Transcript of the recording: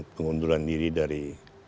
pengunduran diri dari